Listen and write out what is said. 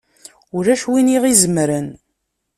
Ulac win i yaɣ-izemren!